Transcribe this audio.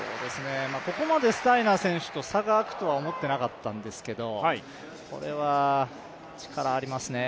ここまでスタイナー選手と差が開くとは思ってなかったんですけどこれは力、ありますね。